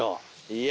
いや。